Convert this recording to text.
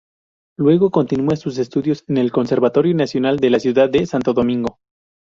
Luego continúa sus estudios en el Conservatorio Nacional en la ciudad de Santo Domingo.